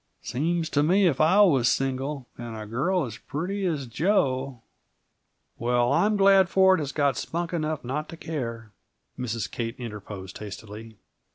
"Seems to me, if I was single, and a girl as pretty as Jo " "Well, I'm glad Ford has got spunk enough not to care," Mrs. Kate interposed hastily.